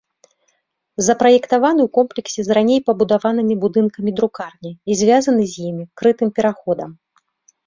Запраектаваны ў комплексе з раней пабудаванымі будынкамі друкарні і звязаны з імі крытым пераходам.